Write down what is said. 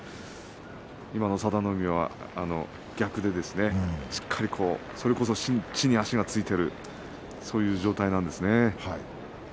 今の佐田の海は逆でしっかりそれこそ地に足がついている状態なんですね。